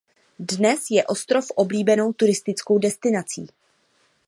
Dnes je ostrov oblíbenou turistickou destinací.